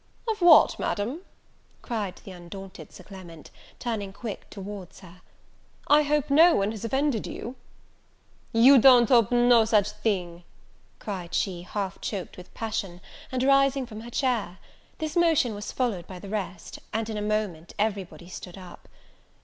"Of what, Madam?" cried the undaunted Sir Clement, turning quick towards her; "I hope no one has offended you!" "You don't hope no such a thing!" cried she, half choked with passion, and rising from her chair. This motion was followed by the rest; and in a moment, every body stood up.